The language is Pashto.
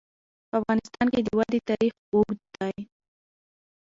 په افغانستان کې د وادي تاریخ اوږد دی.